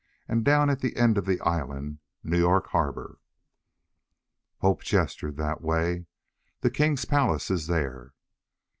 And down at the end of the island, New York Harbor. Hope gestured that way. "The king's palace is there."